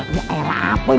ya elah apaan